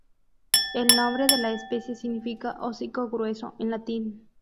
El nombre de la especie significa "hocico grueso" en latín.